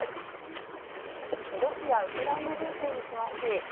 ロシア・ウクライナ情勢に詳しい元